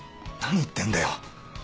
なに言ってんだよ！